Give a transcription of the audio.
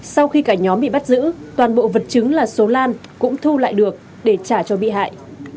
sau khi cả nhóm bị bắt giữ toàn bộ vật chứng là số lan cũng thu lại được để trả cho bị hại